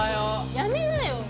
やめなよ。